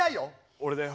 俺だよ。